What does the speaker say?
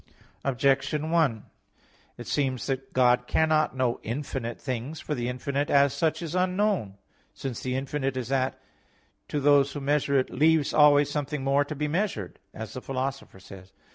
Objection 1: It seems that God cannot know infinite things. For the infinite, as such, is unknown; since the infinite is that which, "to those who measure it, leaves always something more to be measured," as the Philosopher says (Phys.